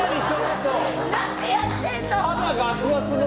何やってんの？